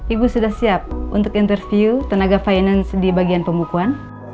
ibu sudah siap untuk interview tenaga finance di bagian pembukuan